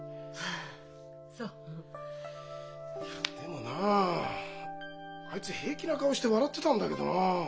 いやでもなあいつ平気な顔して笑ってたんだけどな。